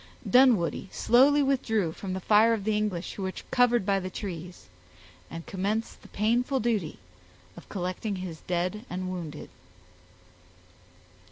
Dunwoodie slowly withdrew from the fire of the English who were covered by the trees, and commenced the painful duty of collecting his dead and wounded.